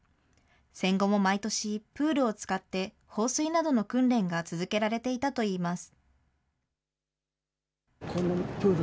戦後も毎年、プールを使って放水などの訓練が続けられていたといいます。